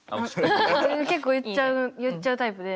結構言っちゃうタイプで。